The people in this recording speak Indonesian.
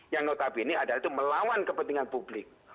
yang notabene adalah itu melawan kepentingan publik